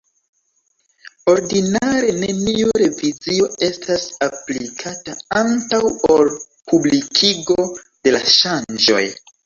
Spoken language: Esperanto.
Ordinare neniu revizio estas aplikata antaŭ ol publikigo de la ŝanĝoj.